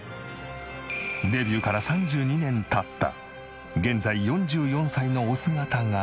デビューから３２年経った現在４４歳のお姿がこちら。